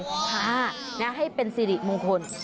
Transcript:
ค่ะนะให้เป็นสิริมงคล